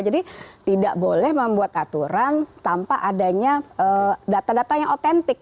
jadi tidak boleh membuat aturan tanpa adanya data data yang autentik